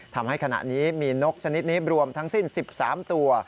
ทำให้ขณะนี้มีนกชนิดนี้รวมทั้งสิ้น๑๓ตัว